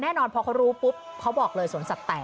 แน่นอนพอเขารู้ปุ๊บเขาบอกเลยสวนสัตวแตก